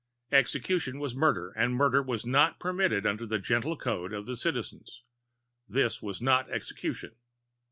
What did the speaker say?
Execution was murder and murder was not permitted under the gentle code of Citizens; this was not execution.